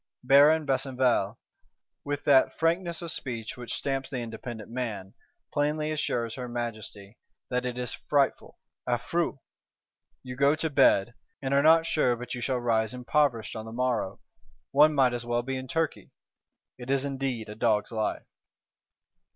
Baron Besenval, with that frankness of speech which stamps the independent man, plainly assures her Majesty that it is frightful (affreux); 'you go to bed, and are not sure but you shall rise impoverished on the morrow: one might as well be in Turkey.' It is indeed a dog's life.